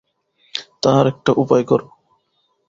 তাহার একটা উপায় কর।